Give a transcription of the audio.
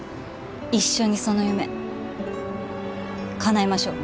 一緒にその夢かなえましょう。